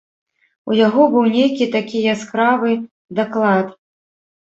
У яго быў нейкі такі яскравы даклад.